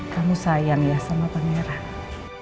kamu sayang ya sama pangeran